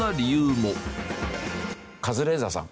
カズレーザーさん